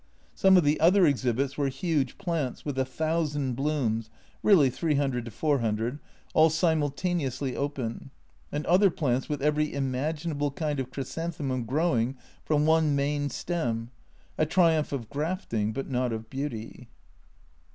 Some of the other exhibits were huge plants, with a "thousand " blooms (really 300 400) all simul taneously open, and other plants with every imagin able kind of chrysanthemum growing from one main stem, a triumph of grafting, but not of beauty.